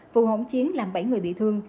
phụ hỗn chiến làm bảy người bị thương